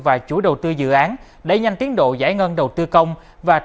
và chủ đầu tư dự án để nhanh tiến độ giải ngân đầu tư cơ quan